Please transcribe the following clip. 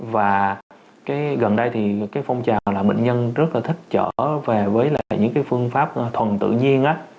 và gần đây thì cái phong trào là bệnh nhân rất là thích trở về với lại những cái phương pháp thuần tự nhiên á